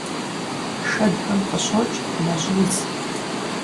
Шэдхэм къыщокӀ мэжьудз.